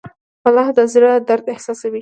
الله د زړه درد احساسوي.